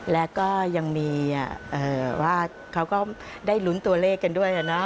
แล้วก็ยังมีว่าเขาก็ได้ลุ้นตัวเลขกันด้วยนะ